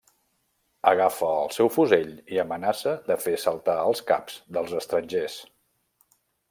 Agafa el seu fusell i amenaça de fer saltar el cap dels estrangers.